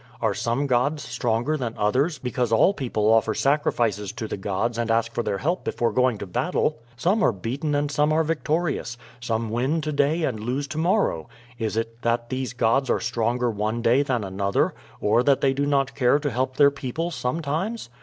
Are some gods stronger than others, because all people offer sacrifices to the gods and ask for their help before going to battle? Some are beaten and some are victorious; some win to day and lose to morrow. Is it that these gods are stronger one day than another, or that they do not care to help their people sometimes?